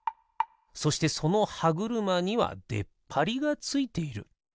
そしてそのはぐるまにはでっぱりがついている。